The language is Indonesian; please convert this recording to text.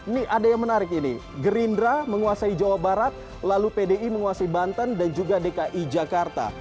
nih ada yang menarik ini gerindra menguasai jawa barat lalu pdi menguasai banten dan juga dki jakarta